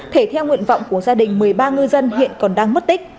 thể theo nguyện vọng của gia đình một mươi ba ngư dân hiện còn đang mất tích